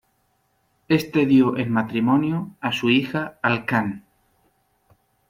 Este dio en matrimonio a su hija al kan.